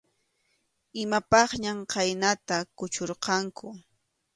Imapaqñam khaynata kuchurqanku.